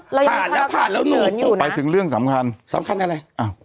ผ่านแล้วผ่านแล้วหนูไปถึงเรื่องสำคัญสำคัญอะไรอ้าว